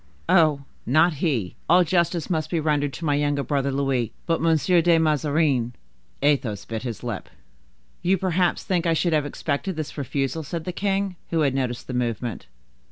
"Oh, not he; all justice must be rendered to my younger brother Louis; but Monsieur de Mazarin—" Athos bit his lips. "You perhaps think I should have expected this refusal?" said the king, who had noticed the movement.